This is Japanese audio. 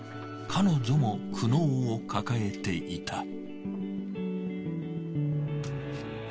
彼女も苦悩を抱えていた。